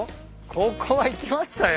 ここは行きましたよ。